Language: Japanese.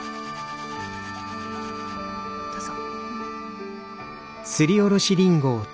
どうぞ。